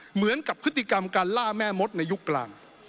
เหมือนกับพฤติกรรมการล่าแม่มดในยุคกลาง